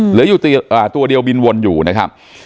เหลืออยู่ตัวเดียวบินวนอยู่นะครับ